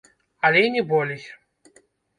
Але і не болей.